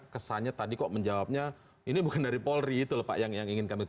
kesannya tadi kok menjawabnya ini bukan dari polri itu lho pak yang ingin kami